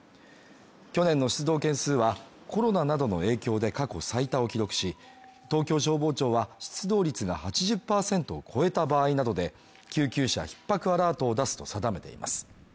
去年の出動件数はコロナなどの影響で過去最多を記録し、東京消防庁は出動率が８０％を超えた場合などで、救急車ひっ迫アラートを出すと定めています。